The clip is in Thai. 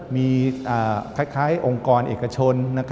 มีคล้ายองค์กรเอกชน